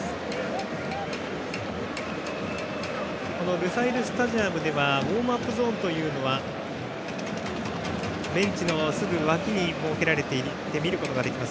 ルサイルスタジアムではウォームアップゾーンはベンチのすぐ脇に設けられて見ることができます。